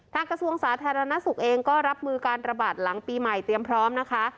กระทรวงสาธารณสุขเองก็รับมือการระบาดหลังปีใหม่เตรียมพร้อมนะคะ